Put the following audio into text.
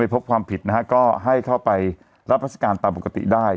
พบความผิดนะฮะก็ให้เข้าไปรับราชการตามปกติได้